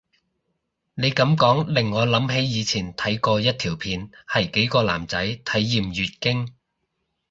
你噉講令我諗起以前睇過一條片係幾個男仔體驗月經